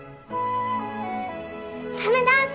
サメダンス！